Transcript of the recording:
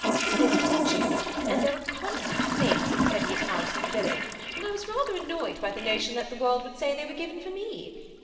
This was in June, and there were constant flutes at Teviot House and the Villa ; and I was rather annoyed by the notion that the world would say they were given for me.